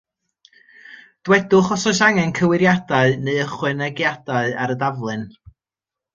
Dwedwch os oes angen cywiriadau neu ychwanegiadau ar y daflen.